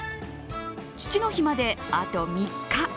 父の日まで、あと３日。